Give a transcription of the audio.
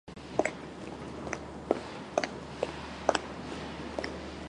早く帰りたい